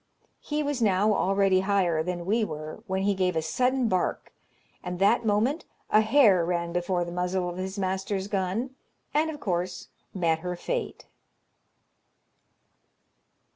He was now already higher than we were, when he gave a sudden bark, and that moment a hare ran before the muzzle of his master's gun, and, of course, met her fate."